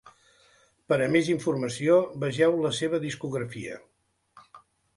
Per a més informació, vegeu la seva discografia.